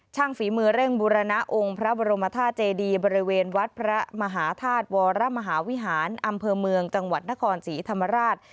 ฝีมือเร่งบูรณะองค์พระบรมธาตุเจดีบริเวณวัดพระมหาธาตุวรมหาวิหารอำเภอเมืองจังหวัดนครศรีธรรมราช